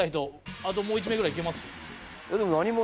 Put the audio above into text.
あともう一名ぐらい行けますよ。